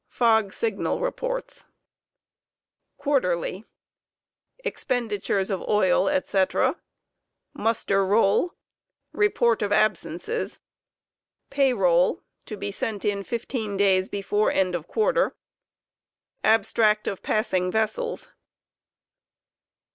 ; Fog signal reports. Quarterly : Expenditures of oil, &c. .» Muster roll. Beport of absences. Pay roll (to be sent in fifteen days before end of quarter)/ > Abstract of passing vessels.